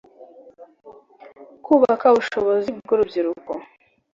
kubaka ubushobozi bw'urubyiruko